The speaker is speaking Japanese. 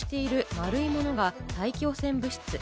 丸いものが大気汚染物質。